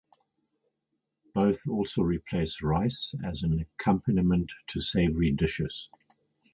Both also replace rice as an accompaniment to savory dishes.